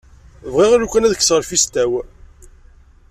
Bɣiɣ lukan ad kkseɣ lfista-w.